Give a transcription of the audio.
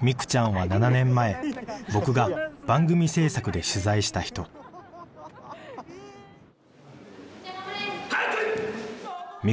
未久ちゃんは７年前僕が番組制作で取材した人はっけよい。